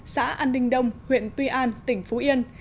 xã an ninh đông huyện tuy an tỉnh phú yên